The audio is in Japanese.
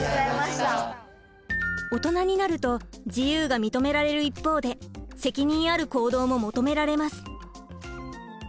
オトナになると自由が認められる一方で責任ある行動も求められます。